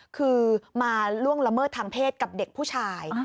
คือมาล่วงละเมิดทางเพศกับเด็กผู้ชาย